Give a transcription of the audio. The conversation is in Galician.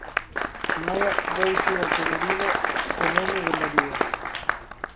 Maia, deusa da que deriva o nome de María.